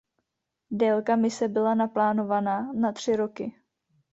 Délka mise byla naplánována na tři roky.